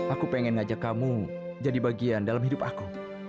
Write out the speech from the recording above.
aku pengen ngajak kamu jadi bagian dalam hidup aku